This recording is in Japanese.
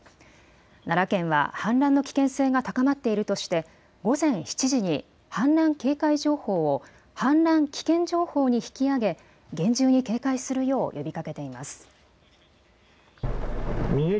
奈良県は氾濫の危険性が高まっているとして午前７時に氾濫警戒情報を氾濫危険情報に引き上げ、厳重に警戒するよう呼びかけています。